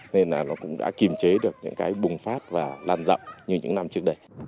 nên là nó cũng đã kiềm chế được những cái bùng phát và lan rộng như những năm trước đây